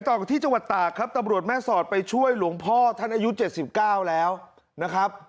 ต่อที่จังหวัดตากครับตำรวจแม่สอดไปช่วยหลวงพ่อท่านอายุ๗๙แล้วนะครับ